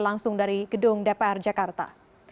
langsung dari gedung dpr jakarta